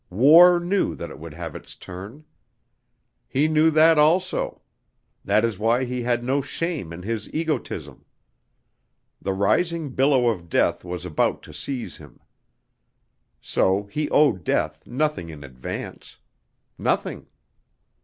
War knew that it would have its turn. He knew that also; that is why he had no shame in his egotism. The rising billow of death was about to seize him. So he owed death nothing in advance. Nothing.